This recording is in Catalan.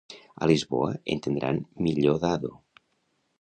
A Lisboa entendran millor Dado.